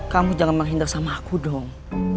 kamu jangan menghindar sama aku dong